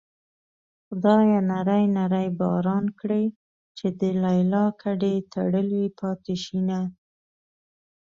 خدايه نری نری باران کړې چې د ليلا ګډې تړلې پاتې شينه